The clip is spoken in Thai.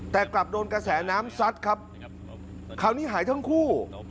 แต่กลับโดนกระแสน้ำซัดครับคราวนี้หายทั้งคู่